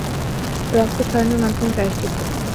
রক্ত ঝরানোর মাধ্যমে প্রায়শ্চিত্ত!